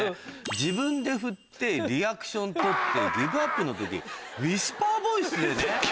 自分でふってリアクション取ってギブアップの時ウィスパーボイスでね。